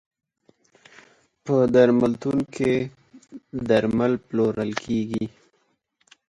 په درملتون کې درمل پلورل کیږی.